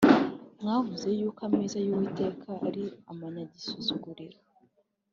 Mwavuze yuko ameza y’Uwiteka ari amanyagisuzuguriro.